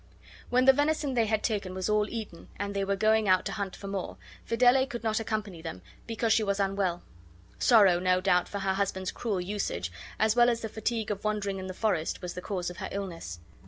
When the venison they had taken was all eaten and they were going out to hunt for more, Fidele could not accompany them because she was unwell. Sorrow, no doubt, for her husband's cruel usage, as well as the fatigue of wandering in the forest, was the cause of her illness.